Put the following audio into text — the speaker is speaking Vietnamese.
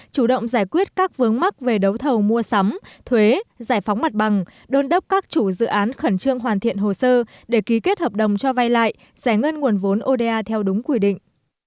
chủ động giải quyết các vướng mắc về đấu thầu mua sắm thuế giải phóng mặt bằng đôn đốc các chủ dự án khẩn trương hoàn thiện hồ sơ để ký kết hợp đồng cho vay lại giải ngân nguồn vốn oda theo đúng quy định